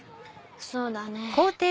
そうだね。